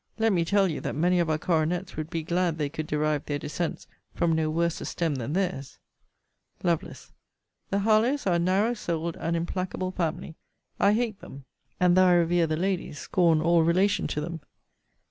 Let me tell you, that many of our coronets would be glad they could derive their descents from no worse a stem than theirs. Lovel. The Harlowes are a narrow souled and implacable family. I hate them: and, though I revere the lady, scorn all relation to them.